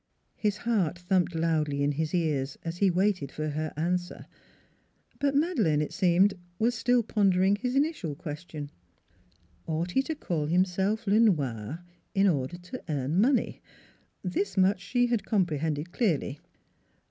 His heart thumped loudly in his ears as he waited for her answer. But Madeleine, it seemed, was still pondering his initial question: ought he to call himself Le ( Noir in order to earn money? This much she had comprehended clearly.